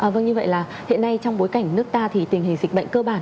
vâng như vậy là hiện nay trong bối cảnh nước ta thì tình hình dịch bệnh cơ bản